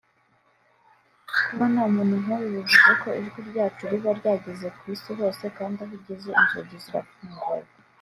Kubona umuntu nk’uyu bivuze ko ijwi ryacu riba ryageze ku Isi hose kandi aho ageze inzugi zarafunguka